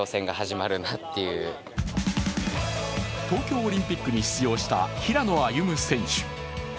東京オリンピックに出場した平野歩夢選手。